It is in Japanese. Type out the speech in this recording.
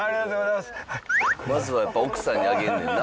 まずはやっぱ奥さんにあげるんねんな。